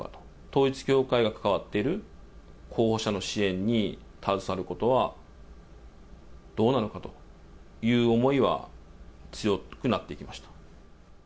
統一教会が関わっている候補者の支援に携わることは、どうなのかという思いは、強くなっていきました。